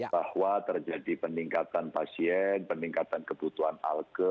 bahwa terjadi peningkatan pasien peningkatan kebutuhan alke